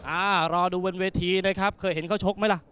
อ่ารอดูบนเวทีนะครับเคยเห็นเขาชกไหมล่ะ